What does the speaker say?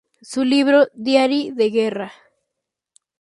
Su libro "Diari de guerra.